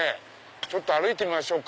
ちょっと歩いてみましょうか。